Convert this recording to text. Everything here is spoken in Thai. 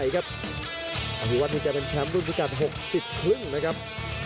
วันนี้วันนี้จะเป็นแชมป์รุ่นพิกัดหกสิบครึ่งนะครับ